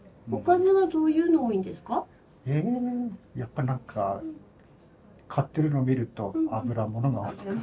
やっぱ何か買ってるのを見ると油物が多い感じ。